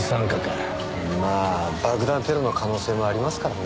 まあ爆弾テロの可能性もありますからね。